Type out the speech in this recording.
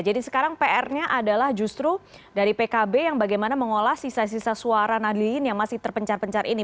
jadi sekarang pr nya adalah justru dari pkb yang bagaimana mengolah sisa sisa suara nadliin yang masih terpencar pencar ini